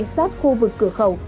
sát khu vực cửa khẩu